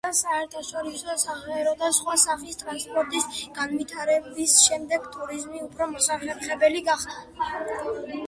შიდა და საერთაშორისო საჰაერო და სხვა სახის ტრანსპორტის განვითარების შემდეგ ტურიზმი უფრო მოსახერხებელი გახდა.